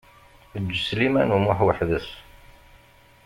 Eǧǧ Sliman U Muḥ weḥd-s.